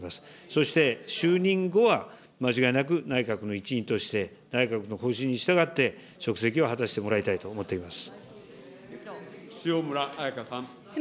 そして就任後は、間違いなく内閣の一員として、内閣の方針に従って職責を果たしてもらいたいと思っています。